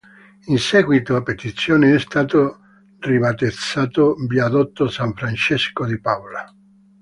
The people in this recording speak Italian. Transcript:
In seguito a petizione è stato ribattezzato viadotto San Francesco di Paola.